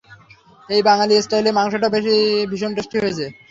এই বাঙালি স্টাইলের মাংসটা ভীষণ টেস্টি হয়েছে!